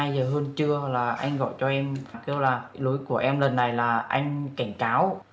vào một mươi hai h hơn trưa là anh gọi cho em kêu là lối của em lần này là anh cảnh cáo